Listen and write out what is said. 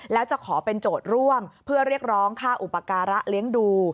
แล้วจะขอเป็นโจทย์ร่วมเพื่อเรียกร้องค่าอุปการะเลี้ยงดู